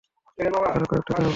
আরও কয়েকটা দেও?